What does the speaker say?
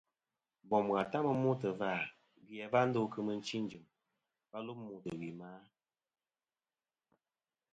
Bòm ghà ta mɨ n-mûtɨ̀ vâ, gvi a wa ndo kɨ̀ mɨchi ɨ̀n jɨ̀m, wa lum gvî wì a ma ndo a?